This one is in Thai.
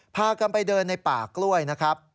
พากันไปเดินในป่ากล้วยนะครับ